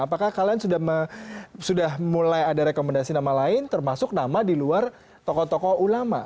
apakah kalian sudah mulai ada rekomendasi nama lain termasuk nama di luar tokoh tokoh ulama